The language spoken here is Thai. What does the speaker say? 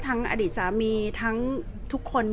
แต่ว่าสามีด้วยคือเราอยู่บ้านเดิมแต่ว่าสามีด้วยคือเราอยู่บ้านเดิม